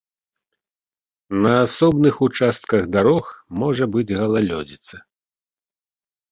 На асобных участках дарог можа быць галалёдзіца.